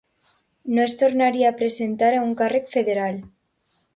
No es tornaria a presentar a un càrrec federal.